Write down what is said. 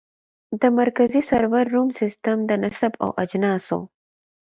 د مرکزي سرور روم سیسټم د نصب او اجناسو